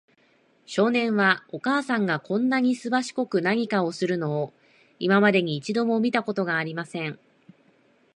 少年は、お母さんがこんなにすばしこく何かするのを、今までに一度も見たことがありません。